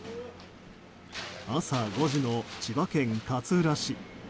朝５時の千葉県勝浦市。